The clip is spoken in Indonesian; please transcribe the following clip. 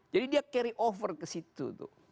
jadi dia carry over ke situ